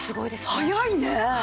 早いね。